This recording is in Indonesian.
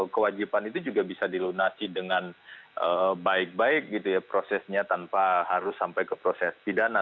kewajiban itu juga bisa dilunasi dengan baik baik gitu ya prosesnya tanpa harus sampai ke proses pidana